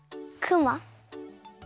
クマ？